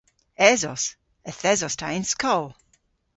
Esos. Yth esos ta y'n skol.